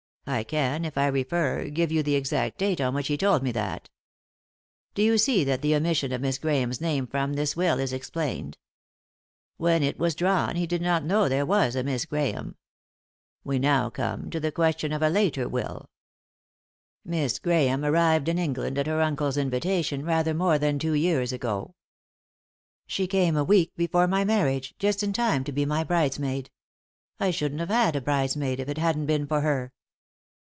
I can, if I refer, give you the exact date on which he told me that. Do you see that the omission of Miss Grahame's name from this will is explained P When it was drawn he did not know there was a Miss Grahame. We now come to the question of a later will. Miss Grahame arrived in England, at her uncle's invitation, rather more than two years ago." 45 3i 9 iii^d by Google THE INTERRUPTED KISS "She came a week before my marriage, just in time to be my bridesmaid. I shouldn't have had a bridesmaid if it hadn't been for her."